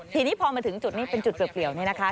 ทีนี้พอมาถึงจุดนี้เป็นจุดเปลี่ยวนี่นะคะ